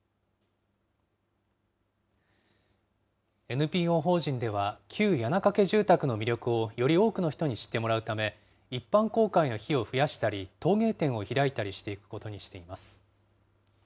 ＮＰＯ法人では、旧矢中家住宅の魅力をより多くの人に知ってもらうため、一般公開の日を増やしたり、陶芸展を開いたりしていくことにしています。